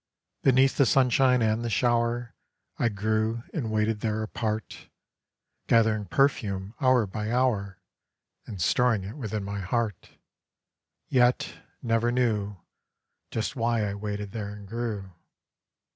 Beneath the sunshine and the show'r I grew and waited there apart, Gathering perfume hour by hour, And storing it within my heart, Yet, never knew, Just why I waited there and grew.